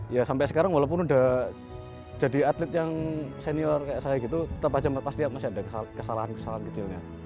ya sampai sekarang walaupun udah jadi atlet yang senior kayak saya gitu tetap aja pasti masih ada kesalahan kesalahan kecilnya